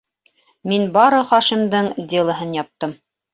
Мин бары Хашимдың «Дело»һын яптым.